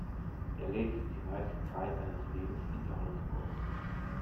Er lebte die meiste Zeit seines Lebens in Johannesburg.